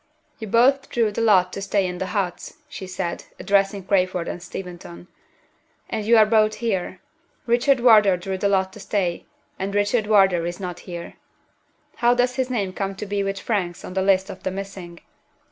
"You both drew the lot to stay in the huts," she said, addressing Crayford and Steventon. "And you are both here. Richard Wardour drew the lot to stay, and Richard Wardour is not here. How does his name come to be with Frank's on the list of the missing?"